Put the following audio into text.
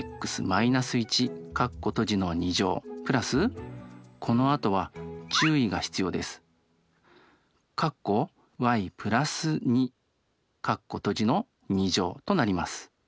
＋このあとは注意が必要です。となります。